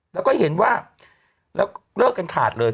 แล้วก็เห็นว่าแล้วเลิกกันขาดเลย